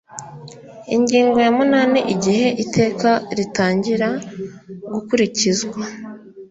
ingingo ya munani igihe iteka ritangira gukurikizwa